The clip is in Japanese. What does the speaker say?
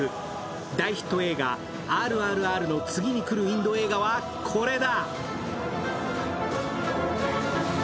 大ヒット映画「ＲＲＲ」の次に来るインド映画はこれだ！